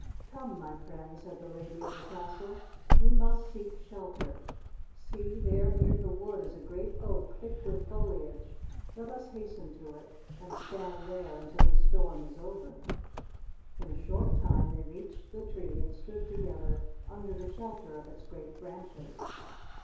"Come, my friends," said the lady of the castle. "We must seek shelter. See, there near the wood is a great oak, thick with foliage. Let us hasten to it and stand there until the storm is over." In a short time they reached the tree and stood together under the shelter of its great branches.